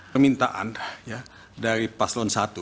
permintaan ya dari paslon satu